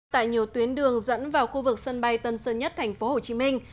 tại nhiều tuyến đường dẫn vào khu vực sân bay tân sơn nhất thành phố hồ chí minh